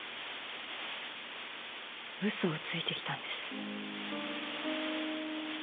嘘をついてきたんです。